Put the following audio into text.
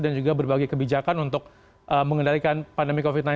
dan juga berbagai kebijakan untuk mengendalikan pandemi covid sembilan belas